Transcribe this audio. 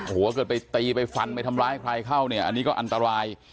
หัวเกิดไปตีไปฟันไปทำร้ายใครเข้าเนี่ยอันนี้ก็อันตราย